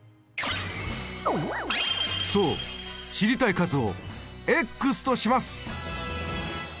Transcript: そう知りたい数をとします。